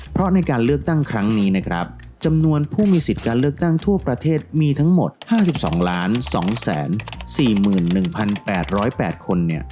เพราะในการเลือกตั้งครั้งนี้นะครับจำนวนผู้มีสิทธิ์การเลือกตั้งทั่วประเทศมีทั้งหมดห้าสิบสองล้านสองแสนสี่หมื่นหนึ่งพันแปดร้อยแปดคนเนี่ย